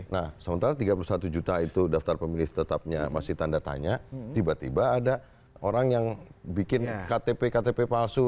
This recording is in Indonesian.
nah sementara tiga puluh satu juta itu daftar pemilih tetapnya masih tanda tanya tiba tiba ada orang yang bikin ktp ktp palsu